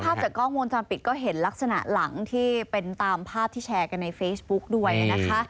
ภาพจากกล้องวงจรปิดก็เห็นลักษณะหลังที่เป็นตามภาพที่แชร์กันในเฟซบุ๊กด้วยนะคะ